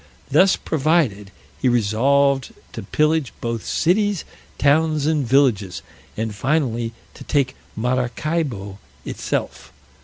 Thus provided, he resolved to pillage both cities, towns, and villages, and finally, to take Maracaibo itself.